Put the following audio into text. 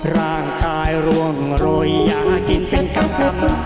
ร่างคายร่วงรอยอยากกินเป็นกำกำ